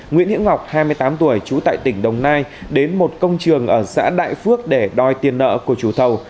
nguyễn hiễu ngọc hai mươi tám tuổi trú tại tỉnh đồng nai đến một công trường ở xã đại phước để đòi tiền nợ của chủ thầu